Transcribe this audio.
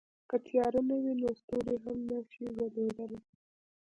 که تیاره نه وي نو ستوري هم نه شي ځلېدلی.